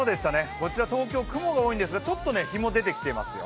こちら東京、雲が多いんですがちょっと日も出てきていますよ。